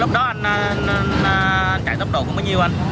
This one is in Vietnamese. lúc đó anh chạy tốc độ của bao nhiêu anh